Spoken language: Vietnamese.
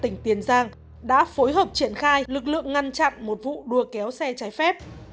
tỉnh tiền giang đã phối hợp triển khai lực lượng ngăn chặn một vụ đua kéo xe trái phép